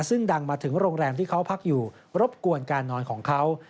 ซึ่งดังมาถึงโรงแรมที่เขาพักอยู่รบกวนการนอนของเขา